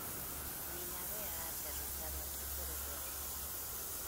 Mi nave ha aterrizado aquí por error.